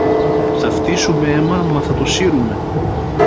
Θα φτύσουμε αίμα μα θα το σύρουμε.